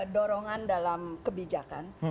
dorongan dalam kebijakan